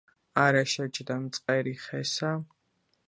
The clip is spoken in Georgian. არა შეჯდა მწყერი ხესა,